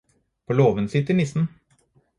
På låven sitter nissen